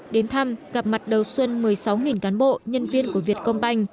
đến thăm gặp mặt đầu xuân một mươi sáu cán bộ nhân viên của việt công banh